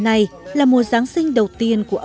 và cũng là mùa giáng sinh đầu tiên sau bốn năm